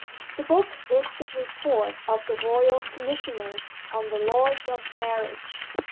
The book is the Report of the Royal Commissioners on The Laws of Marriage.